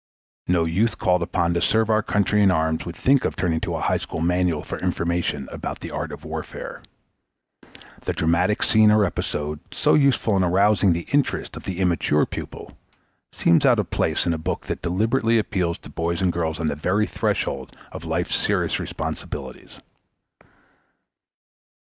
No youth called upon to serve our country in arms would think of turning to a high school manual for information about the art of warfare. The dramatic scene or episode, so useful in arousing the interest of the immature pupil, seems out of place in a book that deliberately appeals to boys and girls on the very threshold of life's serious responsibilities.